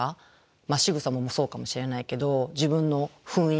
しぐさもそうかもしれないけど自分の雰囲気